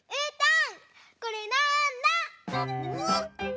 うん。